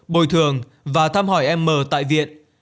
bồi thường và thăm hỏi m tại viện